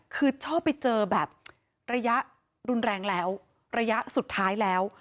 คือชอบไปเจอแบบระยะรุนแรงแล้วระยะสุดท้ายแล้ว